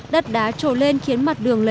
đất đá trồ lên khiến mặt đường lên